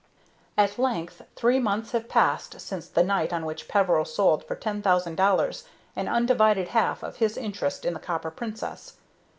At length three months have passed since the night on which Peveril sold for ten thousand dollars an undivided half of his interest in the Copper Princess.